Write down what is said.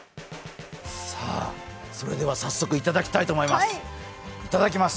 それでは早速いただきたいと思います、いただきます。